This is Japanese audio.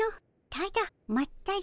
ただまったり。